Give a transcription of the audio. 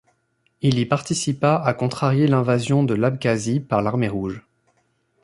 Il y participa à contrarier l'invasion de l'Abkhazie par l'Armée rouge.